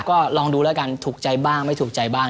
ก็ลองดูแล้วกันถูกใจบ้างไม่ถูกใจบ้าง